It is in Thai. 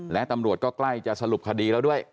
และตำรวจก็ใกล้จะสรุปคดีแล้วด้วย